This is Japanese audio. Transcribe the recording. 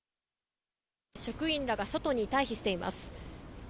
職員らが外に退避しています。